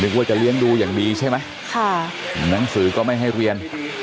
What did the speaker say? ว่าจะเลี้ยงดูอย่างดีใช่ไหมค่ะหนังสือก็ไม่ให้เรียน